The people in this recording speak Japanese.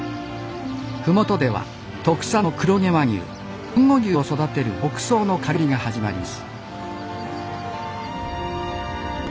６月麓では特産の黒毛和牛豊後牛を育てる牧草の刈り取りが始まります